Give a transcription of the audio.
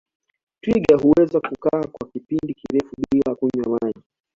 Twiga huweza kukaa kwa kipindi kirefu bila kunywa maji